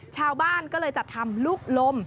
ชาวบ้านก็เลยจัดทำลูกลม